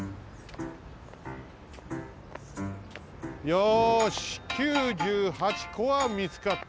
よし９８こはみつかった。